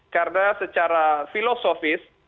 karena secara filosofis